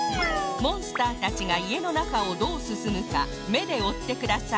モンスターたちがいえのなかをどうすすむか目でおってください